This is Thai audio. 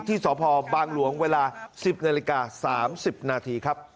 ที่สพบางหลวงเวลา๑๐นาฬิกา๓๐นาทีครับ